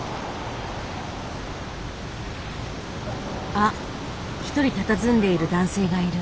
あっ一人たたずんでいる男性がいる。